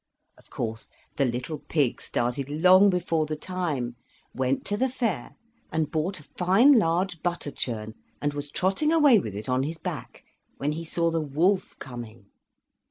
Of course, the little pig started long before the time, went to the fair, and bought a fine large butter churn, and was trotting away with it on his back when he saw the wolf coming.